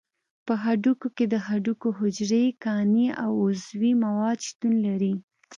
په هډوکي کې د هډوکو حجرې، کاني او عضوي مواد شتون لري.